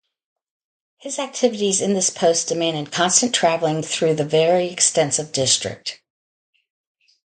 His activities in this post demanded constant travelling through the very extensive district.